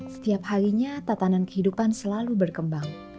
setiap harinya tatanan kehidupan selalu berkembang